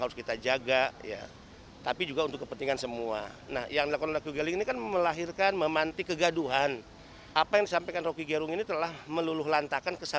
bapak kasat intelkam pores metro bekasi